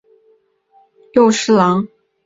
死后赠兵部右侍郎。